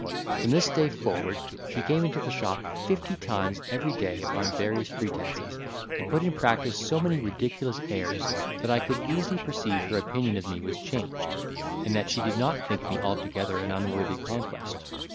From this day forward, she came into the shop fifty times, every day upon various pretences, and put in practice so many ridiculous airs, that I could easily perceive her opinion of me was changed, and that she did not think me altogether an unworthy conquest.